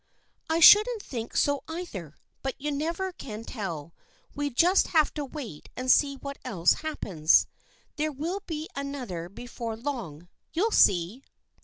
" I shouldn't think so either, but you never can tell. We shall just have to wait and see what else happens. There will be another before long. You'll see